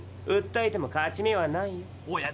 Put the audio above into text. うったえても勝ち目はないよ。